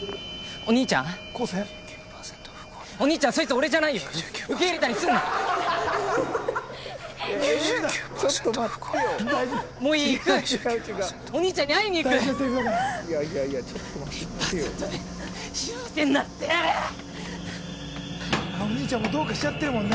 お兄ちゃんもどうかしちゃってるもんね。